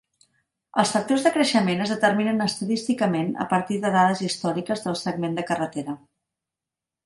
Els factors de creixement es determinen estadísticament a partir de dades històriques del segment de carretera.